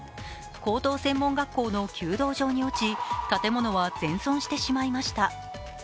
高等専門学校の弓道場に落ち建物は全損してしまいました。